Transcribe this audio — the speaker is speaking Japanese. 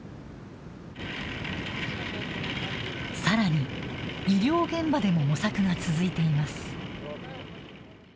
さらに、医療現場でも模索が続いています。